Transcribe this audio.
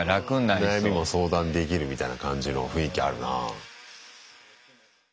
悩みも相談できるみたいな感じの雰囲気あるなぁ。